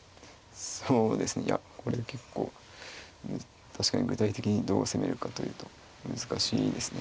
そうですねいやこれ結構確かに具体的にどう攻めるかというと難しいですね。